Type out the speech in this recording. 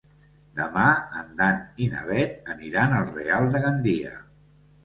Demà en Dan i na Bet aniran al Real de Gandia.